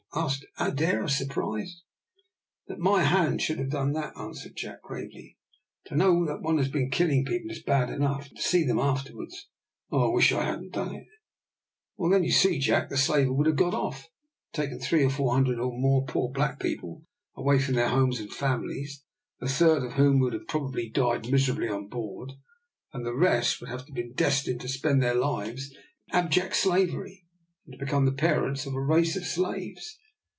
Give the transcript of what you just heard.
asked Adair, surprised. "That my hand should have done that," answered Jack, gravely; "to know that one has been killing people is bad enough, but to see them afterwards oh, I wish that I hadn't done it!" "Then, you see, Jack, the slaver would have got off, and taken 300 or 400, or more, poor black people away from their homes and families, a third of whom would have probably died miserably on board, and the rest would have been destined to spend their lives in abject slavery, and to become the parents of a race of slaves.